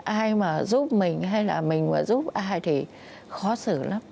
ai mà giúp mình hay là mình mà giúp ai thì khó xử lắm